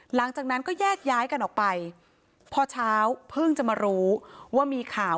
หลังจากนั้นก็แยกย้ายกันออกไปพอเช้าเพิ่งจะมารู้ว่ามีข่าว